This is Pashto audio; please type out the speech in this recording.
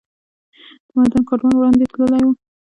تمدن کاروان وړاندې تللی و